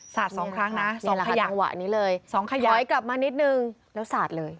สาดสองครั้งนะสองขยักสองขยักถอยกลับมานิดนึงแล้วสาดเลย